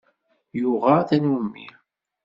Yuɣa tanummi.